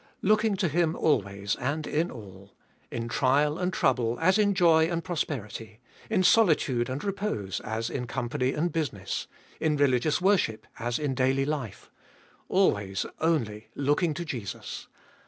Looking to Him always and in all. In trial and trouble, as in joy and prosperity ; in solitude and repose, as in company and business ; in religious worship, as in daily life ;— always, only, looking to Jesus.